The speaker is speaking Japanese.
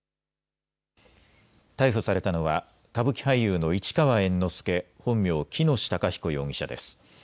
逮捕されたのは歌舞伎俳優の市川猿之助、本名、喜熨斗孝彦容疑者です。